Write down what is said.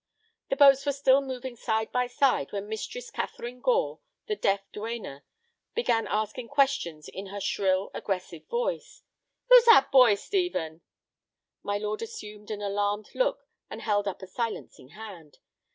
The boats were still moving side by side when Mistress Catharine Gore, the deaf duenna, began asking questions in her shrill, aggressive voice. "Who's that boy, Stephen?" My lord assumed an alarmed look and held up a silencing hand.